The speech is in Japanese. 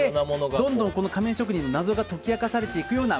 どんどん仮面職人の謎が解き明かされていくような。